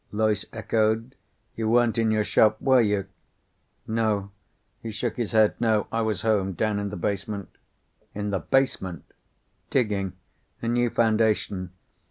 Loyce echoed. "You weren't in your shop, were you?" "No." He shook his head. "No, I was home. Down in the basement." "In the basement?" "Digging. A new foundation.